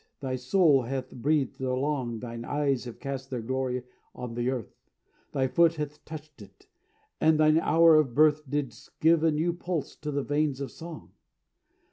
Thy soul hath breathed along, Thine eyes have cast their glory on the earth, Thy foot hath touched it, and thine hour of birth Didst give a new pulse to the veins of song.